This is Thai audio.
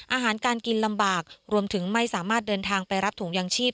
อาหารการกินลำบากรวมถึงไม่สามารถเดินทางไปรับถุงยางชีพ